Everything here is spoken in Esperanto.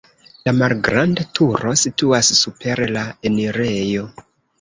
La malgranda turo situas super la enirejo.